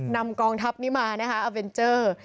นำกองทัพนี้มานะคะอาเวนเจอร์